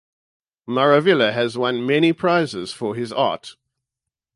Maravilla has won many prizes for his art.